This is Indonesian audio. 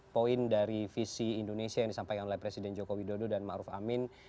poin dari visi indonesia yang disampaikan oleh presiden jokowi dodo dan ma'ruf amin